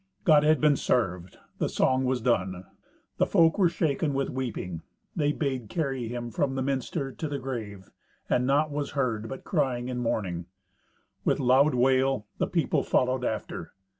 God had been served; the song was done. The folk were shaken with weeping. They bade carry him from the minster to the grave, and naught was heard but crying and mourning. With loud wail the people followed after.